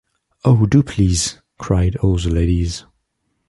‘Oh, do, please’ cried all the ladies.